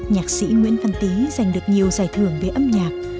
nhạc sĩ nguyễn văn tý giành được nhiều giải thưởng về âm nhạc